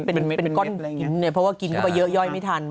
เป็นก้อนกินเนี่ยเพราะว่ากินเข้าไปเยอะย่อยไม่ทัน